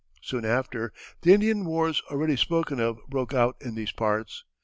Soon after, the Indian wars already spoken of broke out in these parts.